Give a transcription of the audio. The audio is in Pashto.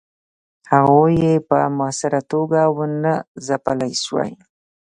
هغوی یې په موثره توګه ونه ځپلای سوای.